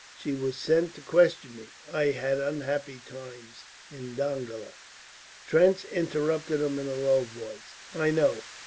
She was sent to question me. I had unhappy times in Dongola." Trench interrupted him in a low voice. "I know.